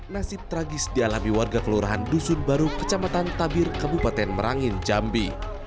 nasib tragis dialami warga kelurahan dusun baru kecamatan tabir kabupaten merangin jambi